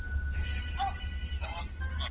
هغوی دواړه په سلا کي سرګردان سول